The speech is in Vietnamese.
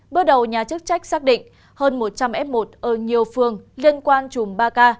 bước đầu nhà chức trách xác định hơn một trăm linh f một ở nhiều phương liên quan trùm ba ca